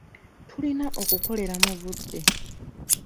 Tulina okukolera mu budde.